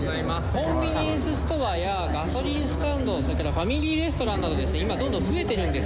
コンビニエンスストアやガソリンスタンド、それからファミリーレストランなどで、今、どんどん増えてるんです。